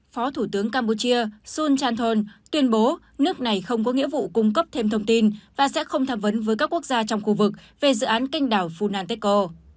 phó thủ tướng campuchia sun chanthong tuyên bố nước này không có nghĩa vụ cung cấp thêm thông tin và sẽ không tham vấn với các quốc gia trong khu vực về dự án kênh đảo phunanteco